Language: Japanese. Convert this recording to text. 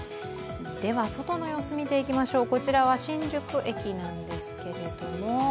では外の様子、見ていきましょう新宿駅なんですけれども。